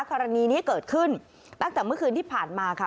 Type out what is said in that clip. กรณีนี้เกิดขึ้นตั้งแต่เมื่อคืนที่ผ่านมาค่ะ